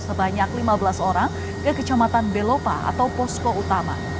sebanyak lima belas orang ke kecamatan belopa atau posko utama